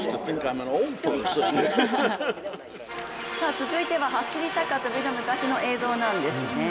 続いては、走り高跳びの昔の映像です。